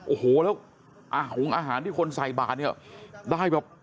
โอ้โหแล้วอาหารที่คนใส่บาทเนี่ยได้แบบ